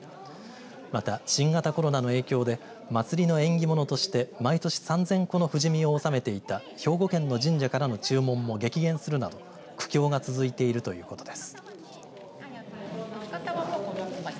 また、新型コロナの影響で祭りの縁起物として毎年３０００個の藤箕を納めていた兵庫県の神社からの注文も激減するなど苦境が続いているということです。